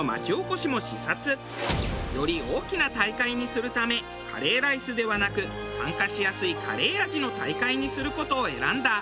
より大きな大会にするためカレーライスではなく参加しやすいカレー味の大会にする事を選んだ。